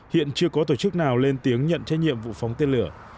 hiện chưa có tổ chức nào lên tiếng nhận trách nhiệm vụ phóng tên lửa